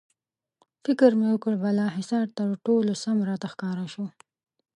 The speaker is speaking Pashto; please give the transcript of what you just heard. فکر مې وکړ، بالاحصار تر ټولو سم راته ښکاره شو.